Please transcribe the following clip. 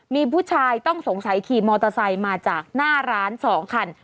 มีผู้ชายต้องสงสัยขี่มอเตอร์ไซค์มาจากหน้าร้าน๒คัน